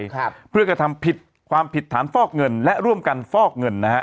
ครับเพื่อกระทำผิดความผิดฐานฟอกเงินและร่วมกันฟอกเงินนะฮะ